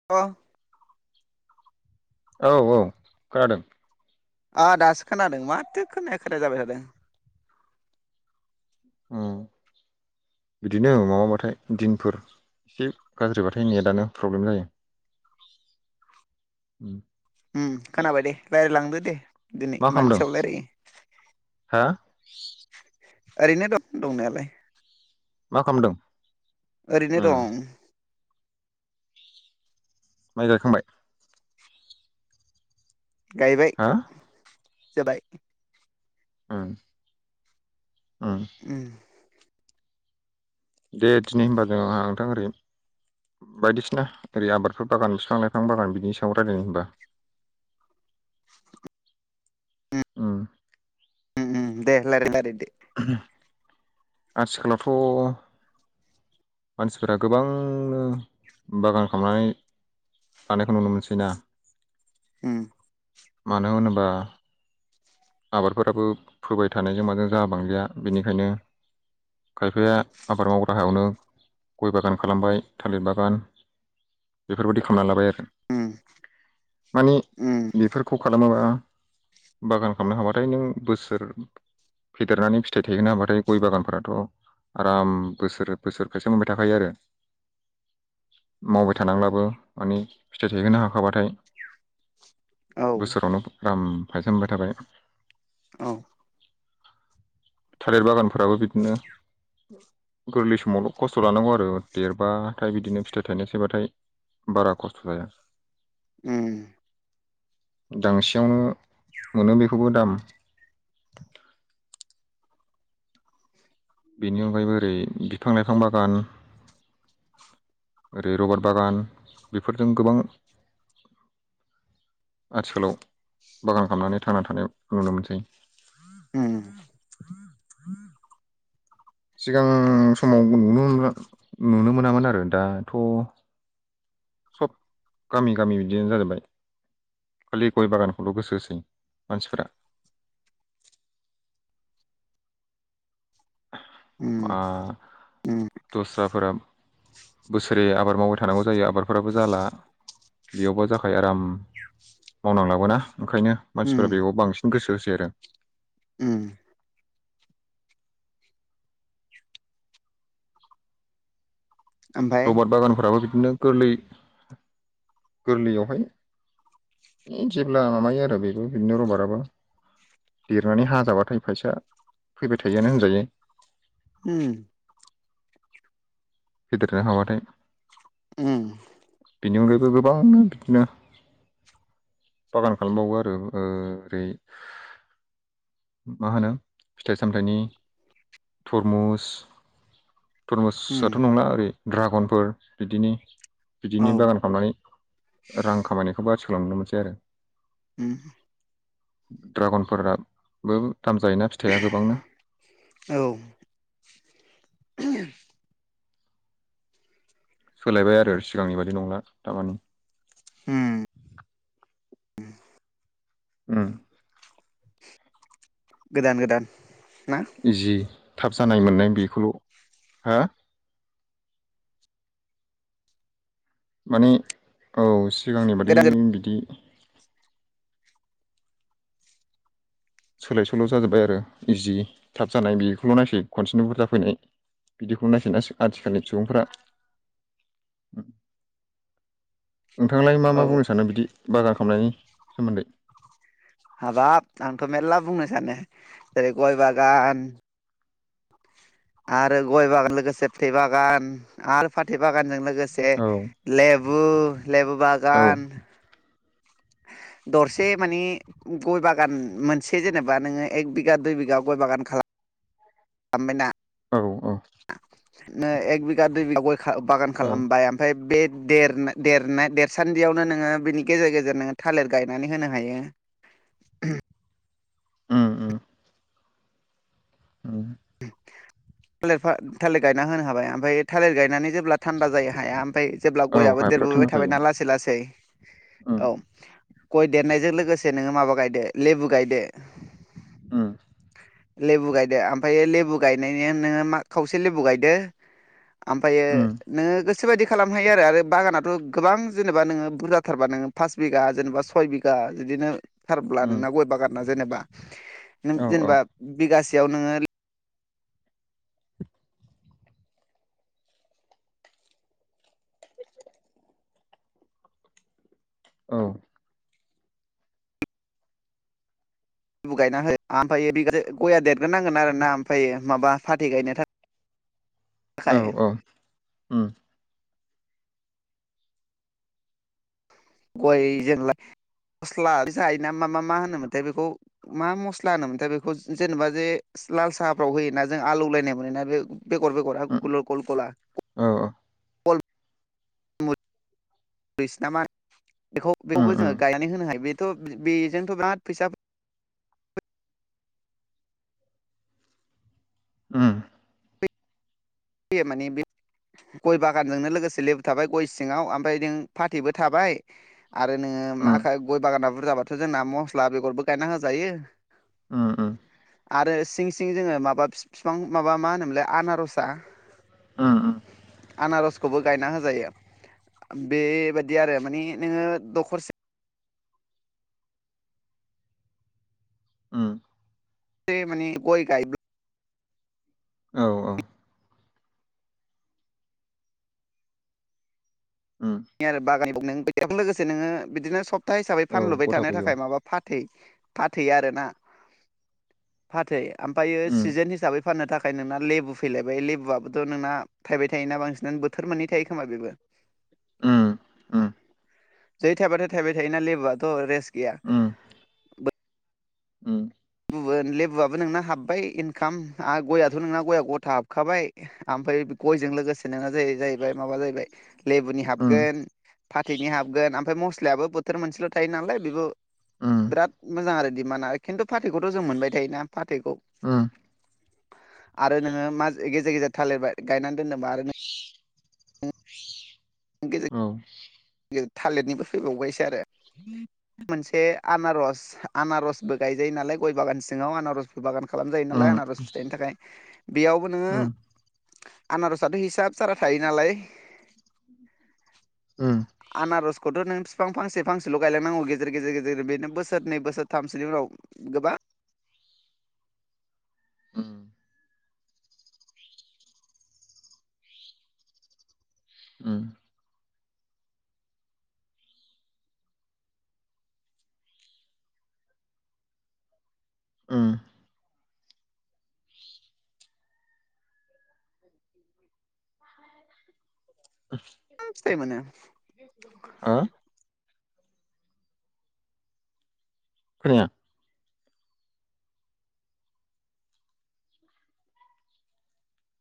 [unintelligible] औ औ खोनादों। आ दासो खोनादों। माथो खोनाया खोनाया जाबाय थादों! ओम बिदिनो माबाबाथाय दिनफोर एसे गाज्रिबाथाय नेटानो प्रब्लेम जायो‌। ओम खोनाबाय दे रायलायलांदो दे दिनै मानि सायाव रायलायो। हो? ओरैनो दं दंनायालाय। मा खामदों? ओरैनो दं। माइ गायखांबाय गायबाय हा जाबाय ओं ओं ओम दे दिनै होनबा जों आंहा नोंथां ओरैनो बायदिसिना ओरै आबादफोर बागान बिफां लाइफां बागान बिनि सायाव रायलायनो होनबा। उम उ दे लारि लार दे आथिखालावथ' मानसिफोरा गोबांनो बागान खालामनानै थानायखौ नुनो मोनसै ना? ओम मानो होनोबा आबादफोराबो फोबाय थानायजों माजों जा बांजाया बेनिखायनो खायफाया आबाद मावग्रा हायावनो गय बागान खालामबाय थालिर बागान बेफोरबायदि खालामना लाबाय आरो उम मानि उम बेफोरखौ खालामोबा बागान खालामनो हाबाथाय नों बोसोर फेदेरनानै फिथाइ थायगोना हाबाथाय गय बागानफोराथ' आराम बोसोर बोसोरखायसो मोनबाय थाखायो आरो मावबाय थानांब्लाबो माने फिथाइ थाहोनो हाखाबाथाय औ बोसोरावनो आराम फायजामबाय थाबाय औ थालिर बागानफोराबो बिदिनो गोरलै समावल' खस्थ' लानांगौ आरो देरबाथाय बिदिनो फिथाइ थाइनाय थायबाथाय बारा खस्त थालाया उम दांसेयावनो मोनो बेखौबो दाम बेनि अनगायैबो ओरै बिफां लाइफां बागान ओरै रबार बागान बेफोरजों गोबां आथिखालाव बागान खालामनानै थांनानै थानायाव नुनो मोनसै ओम सिगां समाव नुनो नुनो मोनामोन आरो दाथ' सब गामि गामि बिदियनो जाजोबबाय खालि गय बागानखौल' गोसो होसै मानसिफ्रा उम ओ उम दस्राफोरा बोसोरै आबाद मावबाय थानांगौ जायो आबादफोराबो जाला बेयावबा जाख आराम मावनांलाबोना ओंखायनो उम मानसिफोरा बेयाव बांसिन गोसो होसै आरो ओम ओमफाय रबारट बागानफोराबो बिदिनो गोरलै गोरलैयावहाय जेब्ला माबायो आरो बेखौ बिदिनो रबाराबो देरनानै हा जाबाथाय फैसााया फैबाय थायोआानो होनजायो ओम फेदेरनो हाबाथाय ओम बेनि अनगायैबो गोबांनो बिदिनो बागान खालामबावो आरो ओ ओरै मा होनो फिथाइ सामथायाइनि थरमुस उम थरमुसथ' नंला ओरै दड्रागनफोर बिदिनो बिदिनो औ बागान खालामनानै रां खामानिखौ बा सोलां ननो मोनसै आरो उम ड्रागनफोराबो दाम जायोना फिथाइआ गोबांना औ सोलायबाय आरो सिगांनिबायाददि नंला थारमानि। हम उम गोदान गोदान ना? इजि थाब जानाय मोननाय बेखौल' हो माने औ सिगांनि बादै गोदान गोदान बिदि सोलाय सोल' जाजोब्बाय आरो इजि थाब जानाय बेखौल' नायसै खनसेनो बुरजा फैनाय बिदिखौ नायसिनाै आथिखालनि सुबुंफ्रा उम नोंथांलाय मा मा औ बुंनो सानो बिदि बागान खालामनायनि सोमोन्दै। हाबाब आंथ मेरला बुंनो सानो जेरै गय बागान। आरो गय बागान लोगोसे फाथै बागान आरो फाथै बागानजों लोगोसे ज औ लेबु लेबु औ बागान। दरसे माने गय बागान मोनसे जेनेबा नोङो एक बिगा दुइ बिगा गय बागान खालाम आमेना औ औ न एख बिगा दुइ बिगा गय बागान औ खालाम बाय। ओमफाय बे देर देरनाय देरसान्दियावनो नोङो बिनि गेजेर गेजेर नोङो थालिर गायनानै होनो हायो। उम उम। उम‌ थालिर थालि गायना होनो हाबाय ओमफ्राय थालिर गायनानै जेब्ला। थान्दा जायो हाया ओमफ्राय जेब्ला औ गयाबो हाफ्रा थान्दा देरबोबाय जायो थाबायना लासै लासै उम औ। गय देरनायजों लोगोसे नोङो माबा गायदो लेबु गायदो। उम लेबु गायदो ओमफायो लेबु गायनायनि नोङो मा खावसे लेबु गायदो। ओमफायो उम नोङो गोसो बायदि खालामनो हायो आरो आरो बागानाथ गोबां जेनेबा नोङो बुरजाथारबा नोङो। फास बिघा जेनेबा सय बिघा बिदिनो। थारब्ला उम नोंना गय बागारना जेनेबा नों औ औ जेनेबा बिगासेयाव नोङो। औ बु गायना हो आ-ओमफ्राय बे गया देरग्रोनांगोन आरो ना ओमफायो माबा फाथै गायनो थाखाय। औ खाय औ उम गयजोंलाय गस्ला जायोना मा मा मा होनोमोनथाय बेखौ। मा मस्ला होनोमोनथाया बेखौ जेनेबा जे लाल साहाफ्राव होयोना जों आलौलायनाय मोनोना बे। बेगर बेगार उम गल गल गल गला। औ औ बेसिनामा बेखौ उम बेखौबो उम जोङो गायनानै होनो हायो बेथ बेजोंथ बिराद फैसा। उम बे माने बे गय बागानजोंनो लोगोसे लेबु थाबाय गय सिङाव ओमफ्राय नों फाथैबो थाबाय। आरो नोङो मा उम गय बागाना बुरजाबाथ जोंना मस्ला बेगरबो गायना होजायो। उम उम आरो सिं सिं जोङो माबा बिफां माबा मा होनोमोनलाय आनारसा। उम उम आनारसखौबो गायना होजायो बेबायाददि आरो माने नोङो दखरसे उम मानि ग औ औ [inaudible] नि आरो बागानएफाव नों बेजों लोगोसे नोङो बिदिनो सप्ता हिसाबै औ फानलुबाय थानो गथाफैयो थाखाय माबा। फाथै फाथै आरोना फाथै ओमफायो उम सिजोन हिसाबै। फाननो थाखाय नोंना लेबु फैलायबाय लेबुआबोथ' नोंना थाइबाय थायोना बांसिनानो बोथोर मोननै थायो खोमा बेबो। उम उ। जै थायाबाथाय थायबाय थायोना लेबुआथ' रेस्ट गैया। उम उम बुबोन लेबुआबो नोंना हाबबाय इनकाम आरो गयाथ' नोंना गया गथा हाबखाबाय। आमफाय गयजों लोगोसे नोङो जाहै जाहैबाय माबा जाहैबाय लेबुनि औ हाबगोन। फाथैनि हाबगोन आमफाय मसलायाबो बोथोर मोनसेल थायो नालाय बेबो। बिराद मोजां आरो दिडमान्डआ खिन्थु फाथैखौथ जों मोनबाय थायोना फाथैखौ। उम आरो नोङो मास गेजेर गेजेर थालिरबाय गायनानै दोनदोंबा आरो नों। औ सुद। बियो थालिरनिबो फैबावबायसो आरो। मोनसे आनारस आनारसबो गायजायो नालाय गय बागान सिङाव आनारस। बागान खालाम जायो नालाय आनारस फिथाइनि थाखाय बेयावबो नोङो। आनारसा दै हिसाब सारा थायो नालाय। [unintelligible] आनारसखौथ' नों बिफां फांसे फांसेल' गायलांनांगौ गेजेर गेजेर गेजेर बेनो बोसोरनै बोसोर थामसोनि उनाव। गोबा। [unintelligible] ओम फिथाय मोनो। ओह। खोनाया।